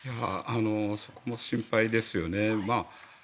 そこも心配ですよね。